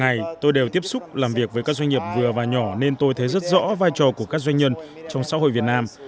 hằng ngày tôi đều tiếp xúc làm việc với các doanh nghiệp vừa và nhỏ nên tôi thấy rất rõ vai trò của các doanh nhân trong xã hội việt nam